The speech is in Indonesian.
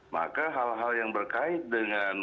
maka hal hal yang berkait dengan